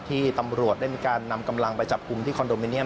ที่ตำรวจได้มีการนำกำลังไปจับกลุ่มที่คอนโดมิเนียม